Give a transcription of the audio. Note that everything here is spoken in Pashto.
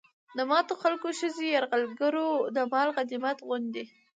د ماتو خلکو ښځې يرغلګرو د مال غنميت غوندې